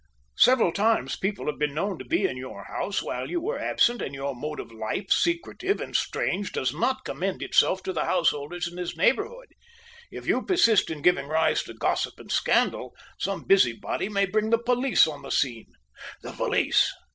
Several times people have been known to be in your house while you were absent, and your mode of life, secretive and strange, does not commend itself to the householders in this neighbourhood. If you persist in giving rise to gossip and scandal, some busybody may bring the police on the scene." "The police!"